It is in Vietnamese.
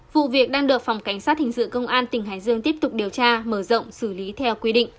vụ việc đang được phòng cảnh sát hình sự công an tỉnh hải dương tiếp tục điều tra mở rộng xử lý theo quy định